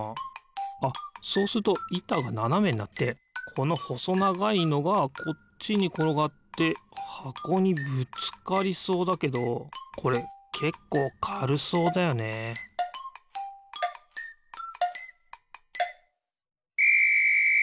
あっそうするといたがななめになってこのほそながいのがこっちにころがってはこにぶつかりそうだけどこれけっこうかるそうだよねピッ！